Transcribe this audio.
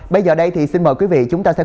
rất là sôi đậu rất tuyệt vời